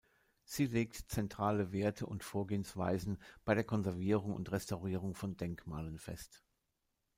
Sie legt zentrale Werte und Vorgehensweisen bei der Konservierung und Restaurierung von Denkmalen fest.